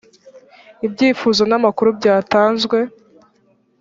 ibyifuzo n’ amakuru byatanzwe.